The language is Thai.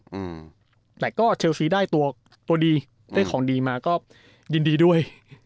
อืมแต่ก็เชลซีได้ตัวตัวดีได้ของดีมาก็ยินดีด้วย